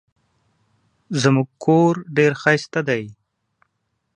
زموږ کور ډېر ښایسته دی.